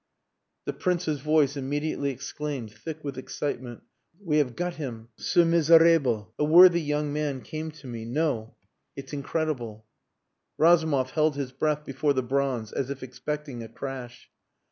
The Prince's voice immediately exclaimed, thick with excitement "We have got him ce miserable. A worthy young man came to me No! It's incredible...." Razumov held his breath before the bronze as if expecting a crash.